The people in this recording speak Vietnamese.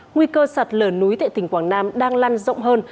nguy cơ sạt lở núi tại tỉnh quảng nam đang lan rộng hơn